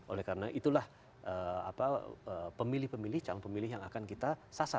oleh karena itulah pemilih pemilih calon pemilih yang akan kita sasar